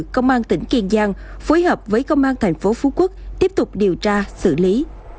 công an tỉnh kiên giang phối hợp với công an thành phố phú quốc tiếp tục điều tra xử lý